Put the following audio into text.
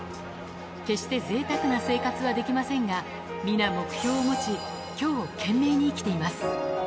決してぜいたくな生活はできませんが、皆目標を持ち、きょうを懸命に生きています。